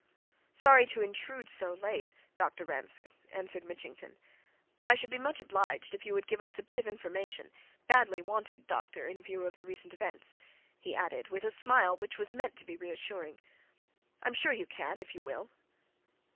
"Sorry to intrude so late, Dr. Ransford," answered Mitchington, "but I should be much obliged if you would give us a bit of information badly wanted, doctor, in view of recent events," he added, with a smile which was meant to be reassuring. "I'm sure you can if you will."